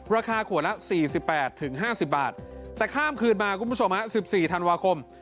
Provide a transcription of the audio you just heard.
ราคาขวดละ๔๘๕๐บาทแต่ข้ามคืนมาคุณผู้ชม๑๔ธันวาคม